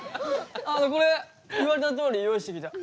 あのこれ言われたとおり用意してきた。